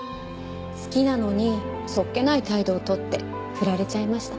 好きなのにそっけない態度をとってふられちゃいました。